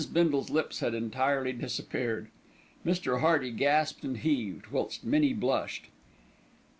Bindle's lips had entirely disappeared. Mrs. Hearty gasped and heaved, whilst Minnie blushed.